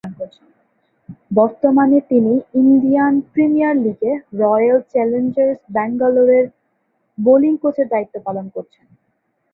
বর্তমানে তিনি Indian premier লীগে রয়্যাল চ্যালেঞ্জার্স ব্যাঙ্গালোরের বোলিং কোচের দায়িত্ব পালন করছেন।